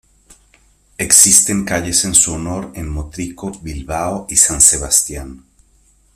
Existen calles en su honor en Motrico, Bilbao y San Sebastián.